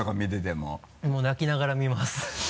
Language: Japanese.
もう泣きながら見ます。